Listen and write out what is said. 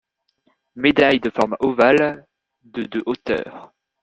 Médaille de forme ovale de de hauteur.